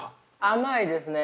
◆甘いですね。